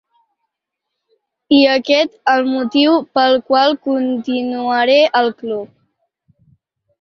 I aquest el motiu pel qual continuaré al club.